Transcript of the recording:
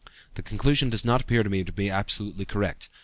This conclusion does not appear to me to be absolutely correct.